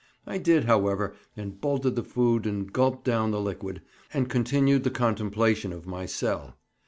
I did, however, and bolted the food and gulped down the liquid, and continued the contemplation of my cell.